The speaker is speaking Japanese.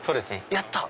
やった！